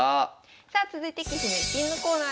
さあ続いて「棋士の逸品」のコーナーです。